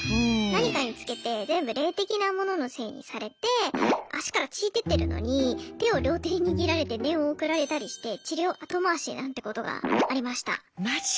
何かにつけて全部霊的なもののせいにされて足から血出てるのに手を両手握られて念送られたりして治療後回しなんてことがありました。